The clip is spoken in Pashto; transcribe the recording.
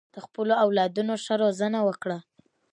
د خپلو اولادونو ښه روزنه وکړه.